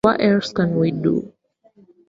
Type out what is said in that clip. What else can we do?